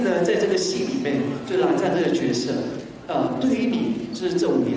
ก็คือสภาพวันราชีวิทย์ตอนนั้น